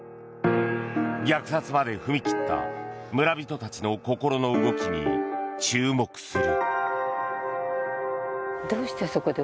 虐殺まで踏み切った村人たちの心の動きに注目する。